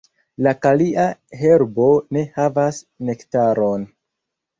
La kalia herbo ne havas nektaron.